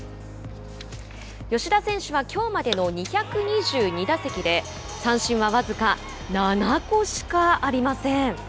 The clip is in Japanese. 吉田選手はきょうまでの２２２打席で三振は僅か７個しかありません。